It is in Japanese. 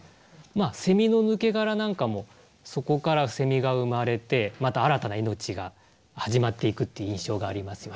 セミの抜け殻なんかもそこからセミが生まれてまた新たな命が始まっていくって印象がありますよね。